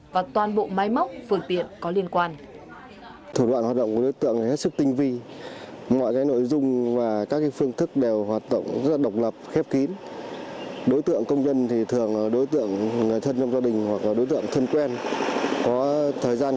và toàn bộ máy móc phương tiện có liên quan